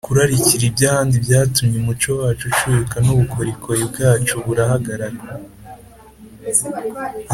kurarikira iby’ahandi byatumye umuco wacu ucuyuka n’ubukorikori bwacu burahagarara